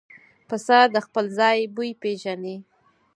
پسه د خپل ځای بوی پېژني.